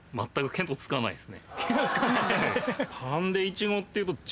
見当つかない？